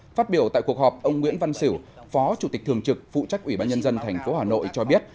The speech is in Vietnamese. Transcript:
phát biểu tại cuộc họp ông nguyễn văn sửu phó chủ tịch thường trực phụ trách ủy ban nhân dân tp hà nội cho biết